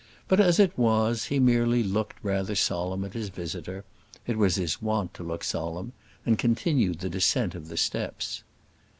But, as it was, he merely looked rather solemn at his visitor it was his wont to look solemn and continued the descent of the steps.